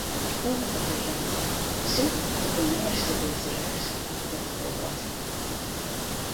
- Што гэта ты, Гензель, усё запыняешся ды азіраешся? - запытаў бацька